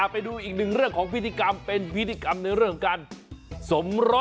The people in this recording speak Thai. ไปดูอีกหนึ่งเรื่องของพิธีกรรมเป็นพิธีกรรมในเรื่องการสมรส